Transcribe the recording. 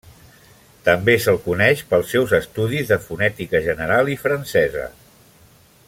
També se'l coneix pels seus estudis de fonètica general i francesa.